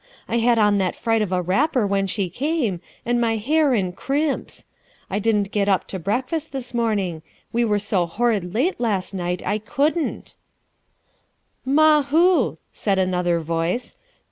I had o a that fright of a wrapper when she came, and my hair in crimps. I didn't get up to brcakf a >t this morning; we were so horrid late last night I couldn't," "'Ma' who?" said another voice.